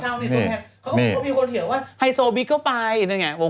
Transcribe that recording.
เขาก็มีคนเห็นว่าไฮโซบิ๊กเข้าไป